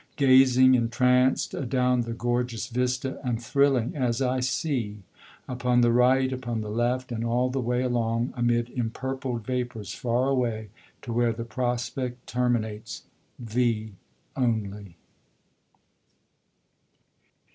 Gazing, entranced, adown the gorgeous vista, And thrilling as I see, upon the right, Upon the left, and all the way along, Amid empurpled vapours, far away To where the prospect terminates thee only.